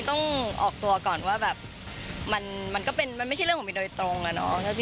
ต้องออกตัวก่อนว่าแบบมันก็เป็นมันไม่ใช่เรื่องของมินโดยตรงอะเนาะ